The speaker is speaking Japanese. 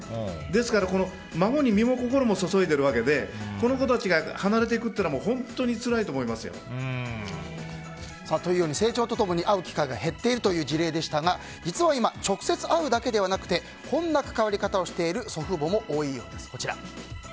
ですから、孫に身も心も注いでいるわけで、この子たちが離れていくというのは成長と共に会う機会が減っているという事例でしたが実は今、直接会うだけではなくてこんな関わり方をしている祖父母も多いようです。